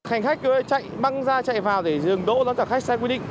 khách khách cứ chạy băng ra chạy vào để dừng đỗ đón trả khách sẽ quy định